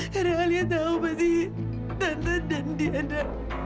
karena alia tahu pasti tante dan tiandra